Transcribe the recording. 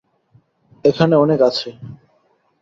এখানে অনেক আছে।